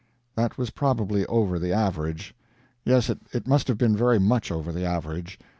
That was probably over the average. Yes, it must have been very much over the average.